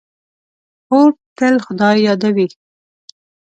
خور تل خدای یادوي.